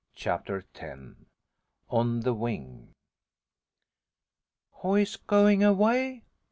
CHAPTER X. ON THE WING "Who is going away?"